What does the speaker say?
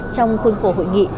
trong khuôn khổ hội nghị